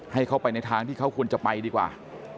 ให้เข้าไปในทางที่เขาควรจะไปดีกว่า